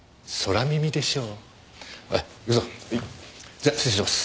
じゃ失礼します。